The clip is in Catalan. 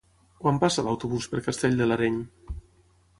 Quan passa l'autobús per Castell de l'Areny?